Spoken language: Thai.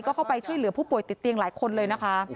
ก็เข้าไปช่วยเหลือผู้ป่วยติดเตียงหลายคนเลยนะคะ